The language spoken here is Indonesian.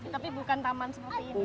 tapi bukan taman seperti ini